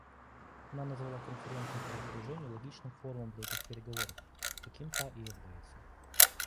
Она назвала Конференцию по разоружению "логичным форумом для этих переговоров", каким та и является.